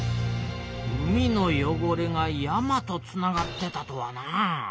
海のよごれが山とつながってたとはな。